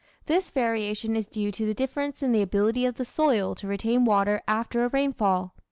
This variation is due to the difference in the ability of the soil to retain water after a rainfall.